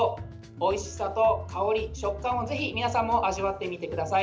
おいしさと香り、食感をぜひ、皆さんも味わってみてください。